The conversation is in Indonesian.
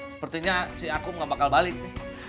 sepertinya si aku gak bakal balik nih